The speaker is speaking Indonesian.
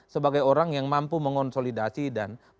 sebagai orang yang mampu mengonsolidasi dan menjaga keamanan